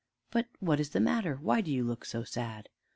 But what is the matter? Why do you look so sad?"